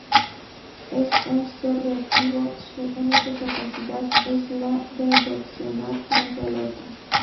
Es un ser reactivo, su única capacidad es la de reaccionar frente al otro.